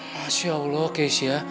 masya allah keisha